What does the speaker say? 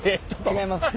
違います。